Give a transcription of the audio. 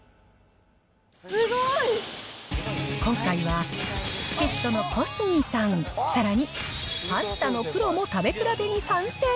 すごい！今回は、助っ人の小杉さん、さらにパスタのプロも食べ比べに参戦。